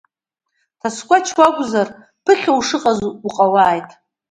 Ҭаскәач уакәзар ԥыхьа ушыҟаз уҟалааит!